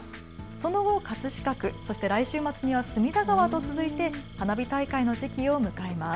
その後、葛飾区、そして来週末には隅田川と続いて花火大会の時期を迎えます。